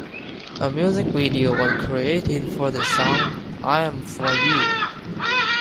A music video was created for the song "I Am for You"